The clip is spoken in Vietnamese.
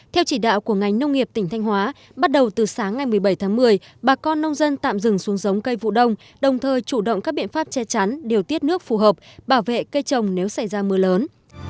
theo chỉ đạo của ngành nông nghiệp tỉnh thanh hóa bắt đầu từ sáng ngày một mươi bảy tháng một mươi bà con nông dân tạm dừng xuống giống cây vụ đông đồng thời chủ động các biện pháp che chắn điều tiết nước phù hợp bảo vệ cây trồng nếu xảy ra mưa lớn